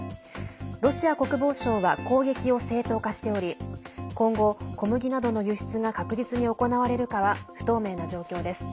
ロシア国防省は攻撃を正当化しており今後、小麦などの輸出が確実に行われるかは不透明な状況です。